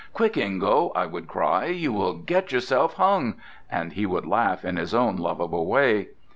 "Quick, Ingo!" I would cry. "You will get yourself hung!" and he would laugh in his own lovable way.